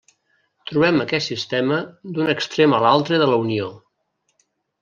Trobem aquest sistema d'un extrem a l'altre de la Unió.